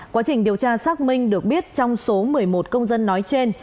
quá trình điều tra xác minh được biết trong số một mươi một công dân nói trên